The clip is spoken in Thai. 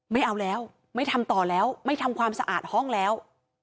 ไม่เอาแล้วไม่ทำต่อแล้วไม่ทำความสะอาดห้องแล้ว